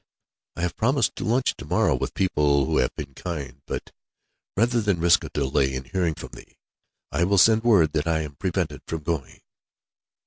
"I have promised to lunch to morrow with people who have been kind, but rather than risk a delay in hearing from thee, I will send word that I am prevented from going."